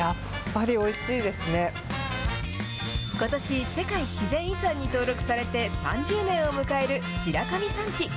ことし、世界自然遺産に登録されて３０年を迎える白神山地。